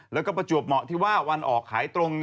แล้วก็ประจวบเหมาะที่ว่าวันออกขายตรง